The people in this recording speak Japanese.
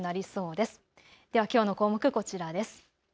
ではきょうの項目こちらです。